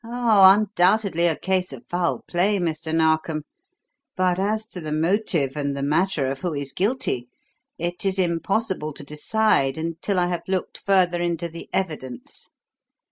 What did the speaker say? Oh, undoubtedly a case of foul play, Mr. Narkom. But as to the motive and the matter of who is guilty, it is impossible to decide until I have looked further into the evidence.